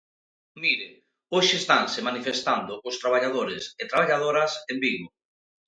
Mire, hoxe estanse manifestando os traballadores e traballadoras en Vigo.